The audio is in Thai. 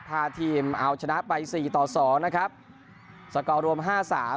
พาทีมเอาชนะไปสี่ต่อสองนะครับสกอร์รวมห้าสาม